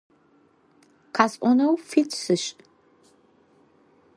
Къэсӏонэу фит сышӏ.